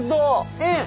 うん。